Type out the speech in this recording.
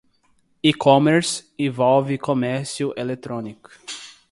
E-commerce envolve comércio eletrônico.